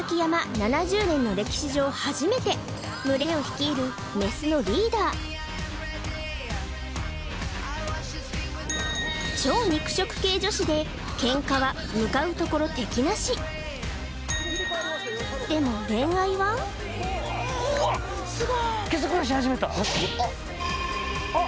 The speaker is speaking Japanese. ７０年の歴史上初めて群れを率いるメスのリーダー超肉食系女子でケンカは向かう所敵なしでもうわっ毛づくろいし始めた・あっ・